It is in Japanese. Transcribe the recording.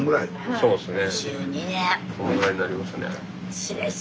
そうですよね。